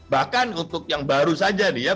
bahkan untuk yang baru saja nih ya